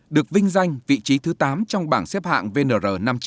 được vinh danh vị trí thứ tám trong bảng xếp hạng vnr năm trăm linh